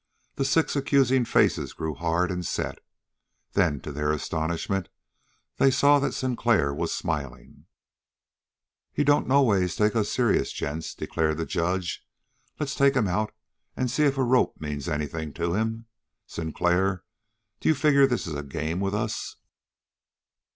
The six accusing faces grew hard and set. Then, to their astonishment, they saw that Sinclair was smiling! "He don't noways take us serious, gents," declared the judge. "Let's take him out and see if a rope means anything to him. Sinclair, d'you figure this is a game with us?"